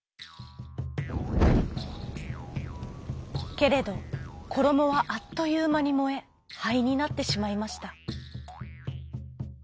けれどころもはあっというまにもえはいになってしまいました。